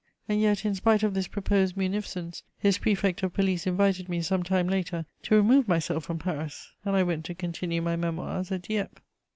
And yet, in spite of this proposed munificence, his Prefect of Police invited me, some time later, to remove myself from Paris, and I went to continue my Memoirs at Dieppe.